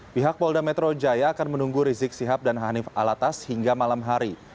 pihak polda metro jaya akan menunggu rizik sihab dan hanif alatas hingga malam hari